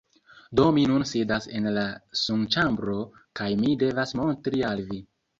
Do mi nun sidas en la sunĉambro kaj mi devas montri al vi.